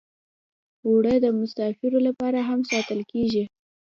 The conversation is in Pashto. اوړه د مسافرو لپاره هم ساتل کېږي